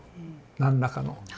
何らかの。